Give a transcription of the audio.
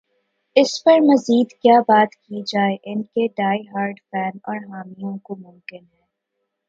اس پر مزید کیا بات کی جائے ان کے ڈائی ہارڈ فین اور حامیوں کو ممکن ہے۔